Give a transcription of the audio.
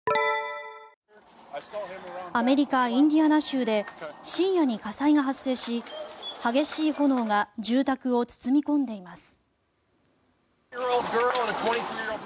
アメリカ・インディアナ州で深夜に火災が発生し激しい炎が住宅を包み込んでいます。